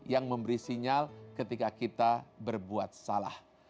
yang memberi sinyal ketika kita berbuat salah